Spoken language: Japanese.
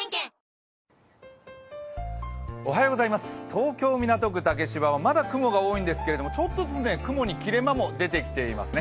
東京・港区竹芝はまだ雲が多いんですけれどもちょっとずつ雲に切れ間も出てきていますね。